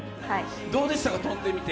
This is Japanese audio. どうでしたか、跳んでみて。